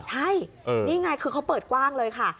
ใช่นี่ไงคือเขาเปิดกว้างเลยค่ะ